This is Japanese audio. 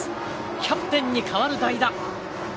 キャプテンに代わる代打。